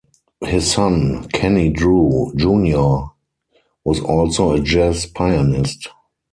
His son, Kenny Drew, Junior was also a jazz pianist.